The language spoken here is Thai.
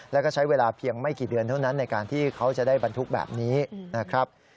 แล้วก็ใช้เวลาเพียงไม่กี่เดือนเท่านั้นในการที่เขาจะได้บรรทุกแบบนี้นะครับ